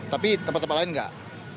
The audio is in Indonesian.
tapi tempat tempat lain enggak